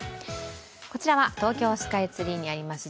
こちらは東京スカイツリーにあります